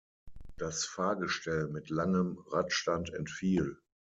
Das Fahrgestell mit langem Radstand entfiel.